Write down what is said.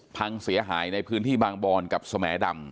พังเสียหายในพื้นที่บางบอนกับสมดำ